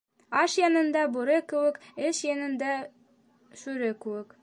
Аш янында бүре кеүек, эш янында шүре кеүек.